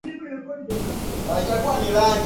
Alitoa jasho baada ya kukimbia